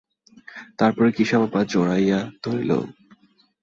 তার পরে কিসে আমার পা জড়াইয়া ধরিল।